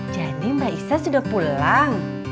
jadi mbak isa sudah pulang